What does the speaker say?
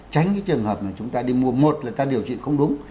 tránh cái trường hợp mà chúng ta đi mua một là ta điều trị không đúng